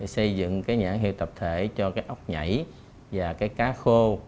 xây dựng nhãn hiệu tập thể cho cá bóp tiên hải hà tiên